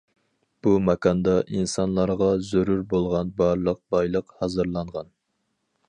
بۇ ماكاندا ئىنسانلارغا زۆرۈر بولغان بارلىق بايلىق ھازىرلانغان.